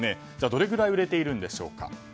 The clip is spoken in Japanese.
どれぐらい売れているんでしょうか。